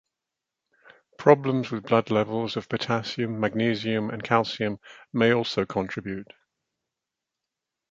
Problems with blood levels of potassium, magnesium and calcium may also contribute.